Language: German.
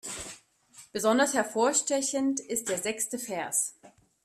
Besonders hervorstechend ist der sechste Vers.